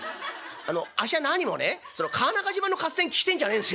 あっしはなにもね川中島の合戦聞きてえんじゃねえんですよ。